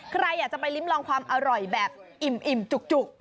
ใครอยากจะไปลิ้มลองความอร่อยแบบอิ่มจุก